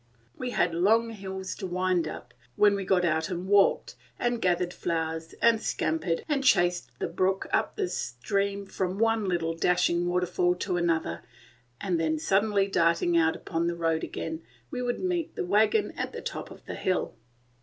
We had long hills to wind up, when we got out and walked, and gathered flowers, and scampered, and chased the brook up stream from one little dashing waterfall to another, and then, suddenly darting out upon the road again, we would meet the wagon at the top of the hill.